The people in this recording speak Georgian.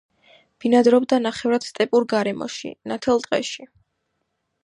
ბინადრობდა ნახევრად სტეპურ გარემოში, ნათელ ტყეში.